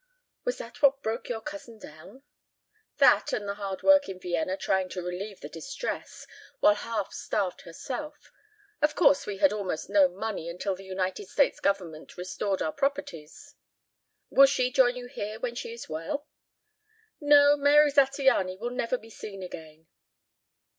"Was that what broke your cousin down?" "That and the hard work in Vienna trying to relieve the distress while half starved herself. Of course we had almost no money until the United States Government restored our properties." "Will she join you here when she is well?" "No, Mary Zattiany will never be seen again."